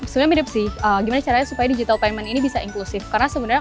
sebenarnya mirip sih gimana caranya supaya digital payment ini bisa inklusif karena sebenarnya